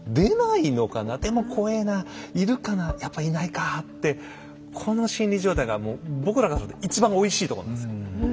でも怖えないるかなやっぱいないかってこの心理状態がもう僕らが一番おいしいとこなんですよ。